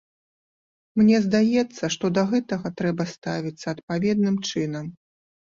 Мне здаецца, што да гэтага трэба ставіцца адпаведным чынам.